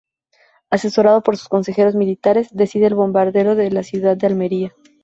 Asesorado por sus consejeros militares, decide el bombardeo de la ciudad de Almería.